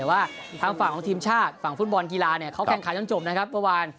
ว่าทางฝั่งของทีมชาติฝั่งฟุตบอลกีฬาเขาแข่งขายน้ำจมนะครับเมื่อวาน